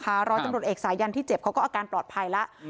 ร้อยตำรวจเอกสายันที่เจ็บเขาก็อาการปลอดภัยแล้ว